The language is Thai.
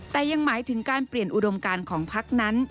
แต่ยังหมายถึงการเปลี่ยนอุดมการของพักนั้น